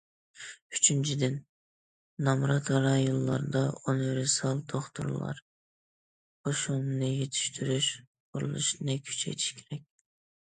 ئۈچىنچىدىن، نامرات رايونلاردا ئۇنىۋېرسال دوختۇرلار قوشۇنىنى يېتىشتۈرۈش قۇرۇلۇشىنى كۈچەيتىش كېرەك.